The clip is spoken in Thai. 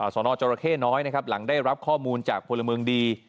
สนจรเข้น้อยนะครับหลังได้รับข้อมูลจากพลเมืองดี